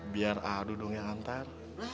biar adu dong yang nantar